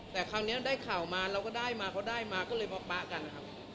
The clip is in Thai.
แต่คราวนี้ได้ข่าวมาเราก็ได้มาเขาได้มาก็เลยมาปะกันนะครับ